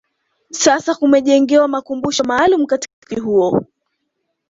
sasa kumejengewa makumbusho maalum katika mji huo